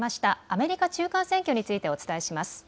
アメリカ中間選挙についてお伝えします。